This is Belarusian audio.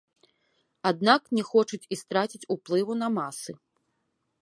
Аднак не хочуць і страціць уплыву на масы.